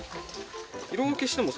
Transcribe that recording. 色分けしてもさ。